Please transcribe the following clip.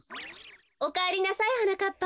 おかえりなさいはなかっぱ。